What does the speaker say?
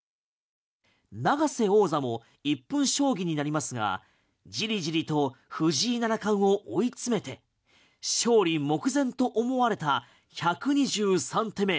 永瀬王座も１分将棋になりますがじりじりと藤井七冠を追い詰めて勝利目前と思われた１２３手目。